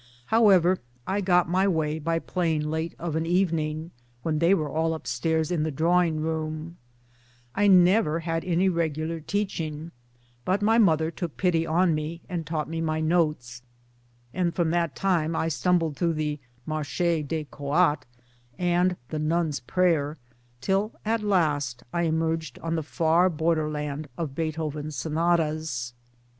However I got my way by playing late of an evening, when they were all upstairs in the drawing room ; I never had any regular teaching, but my mother took pity on me and taught me my notes ; and from that time I stumbled through the " Marche des Creates " and the " Nun's Prayer " till at last I emerged on the far borderland of Beethoven's Sonatas.